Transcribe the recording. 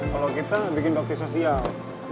kalau kita bikin bakti sosial